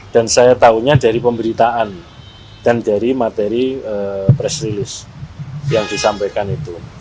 dan saya tahunya dari pemberitaan dan dari materi press release yang disampaikan itu